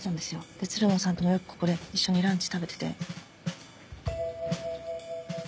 で鶴野さんともよくここで一緒にランチ食べてて。